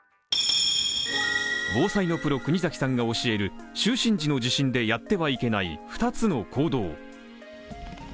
防災のプロ・国崎さんが教える就寝時の地震でやってはいけない２つの行動。